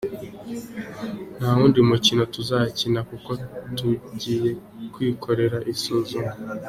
Nta wundi mukino tuzakina kuko tugiye kwikorera isuzuma.